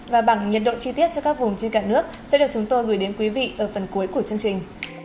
và bảng nhiệt độ chi tiết cho các vùng trên cả nước sẽ được chúng tôi gửi đến quý vị ở phần cuối của chương trình